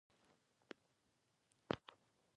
فېلسوفي او بشري پوهنې د انساني ټولنو اړتیاوې پېژني.